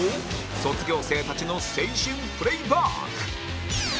卒業生たちの青春プレーバック！